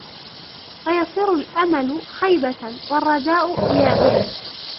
فَيَصِيرُ الْأَمَلُ خَيْبَةً وَالرَّجَاءُ إيَاسًا